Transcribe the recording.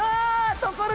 ところが！